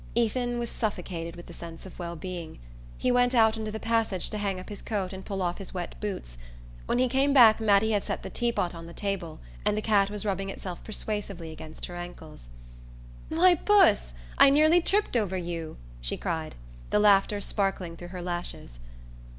Ethan was suffocated with the sense of well being. He went out into the passage to hang up his coat and pull off his wet boots. When he came back Mattie had set the teapot on the table and the cat was rubbing itself persuasively against her ankles. "Why, Puss! I nearly tripped over you," she cried, the laughter sparkling through her lashes.